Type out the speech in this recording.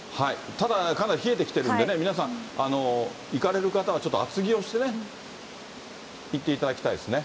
ただ、かなり冷えてきてるんでね、皆さん、行かれる方はちょっと厚着をしてね、行っていただきたいですね。